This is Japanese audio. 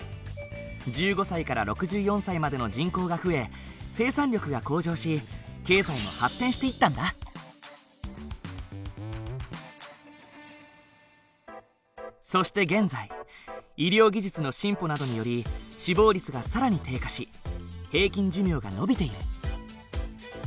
１５歳から６４歳までの人口が増え生産力が向上しそして現在医療技術の進歩などにより死亡率が更に低下し平均寿命が延びている。